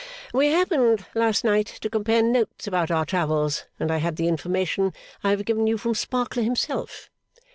'We happened last night to compare notes about our travels, and I had the information I have given you from Sparkler himself.